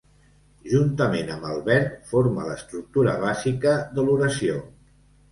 Juntament amb el verb, forma l'estructura bàsica de l'oració.